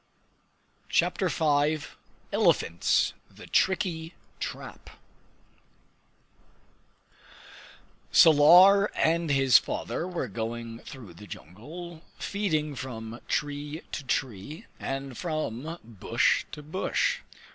CHAPTER V Elephants: The Tricky Trap Salar and his father were going through the jungle, feeding from tree to tree, and from bush to bush.